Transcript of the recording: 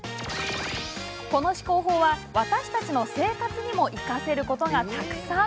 この思考法は、私たちの生活にも生かせることがたくさん。